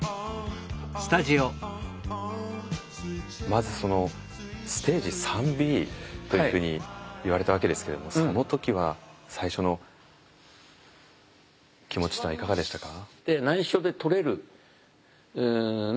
まずそのステージ３ｂというふうに言われたわけですけれどもその時は最初の気持ちというのはいかがでしたか？